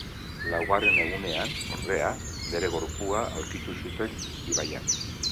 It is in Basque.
Laugarren egunean, ordea, bere gorpua aurkitu zuten ibaian.